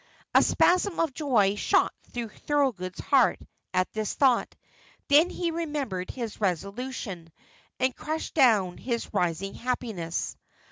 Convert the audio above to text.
A spasm of joy shot through Thorold's heart at this thought; then he remembered his resolution, and crushed down his rising happiness.